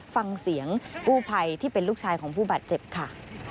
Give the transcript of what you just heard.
ฟังเสียงกู้ภัยที่เป็นลูกชายของผู้บาดเจ็บค่ะ